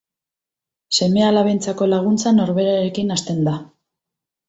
Seme-alabentzako laguntza norberarekin hasten da.